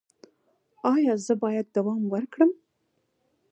ایا زه باید دوام ورکړم؟